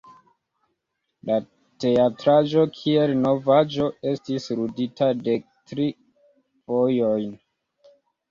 La teatraĵo, kiel novaĵo, estis ludita dektri fojojn.